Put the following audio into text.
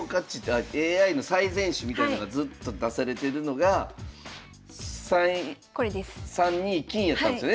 あＡＩの最善手みたいなのがずっと出されてるのが３これです。